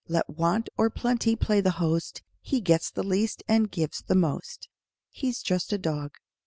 Let want or plenty play the host, He gets the least and gives the most He's just a dog.